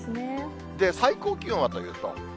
最高気温はというと。